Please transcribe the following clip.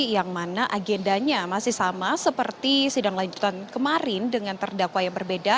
yang mana agendanya masih sama seperti sidang lanjutan kemarin dengan terdakwa yang berbeda